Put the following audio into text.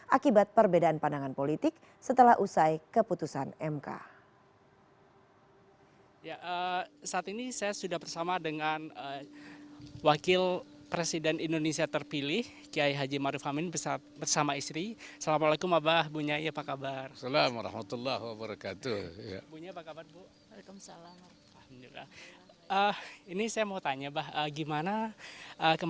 akibat perbedaan pandangan politik setelah usai keputusan mk